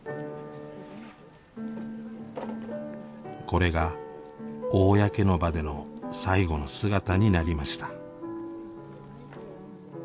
これが公の場での最後の姿になりました。